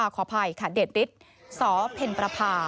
ขออภัยค่ะเดชฤทธิ์สเพ็ญประพา